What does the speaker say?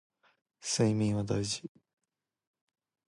睡眠は大事